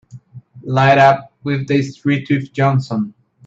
Light up with the street with Johnson!